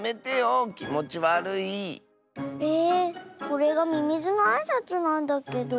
これがミミズのあいさつなんだけど。